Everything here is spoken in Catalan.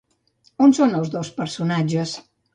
On són els dos personatges?